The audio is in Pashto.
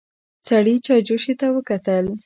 سړي چايجوشې ته وکتل.